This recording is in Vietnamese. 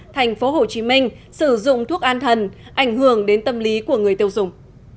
thành phố hồ chí minh sử dụng thuốc an thần ảnh hưởng đến tâm lý của người tiêu dùng